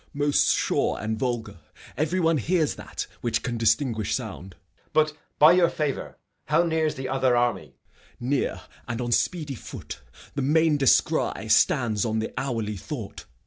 Gent. Most sure and vulgar. Every one hears that Which can distinguish sound. Edg. But, by your favour, How near's the other army? Gent. Near and on speedy foot. The main descry Stands on the hourly thought.